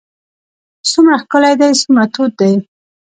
څومره ښکلی دی څومره تود دی.